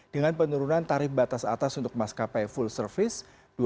dengan penurunan tarif batas atas untuk maskapai full service